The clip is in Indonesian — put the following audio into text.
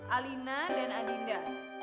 alina dan adinda